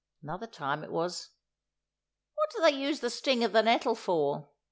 Another time it was: "What do they use the sting of the nettle for?"